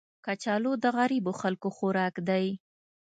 کچالو د غریبو خلکو خوراک دی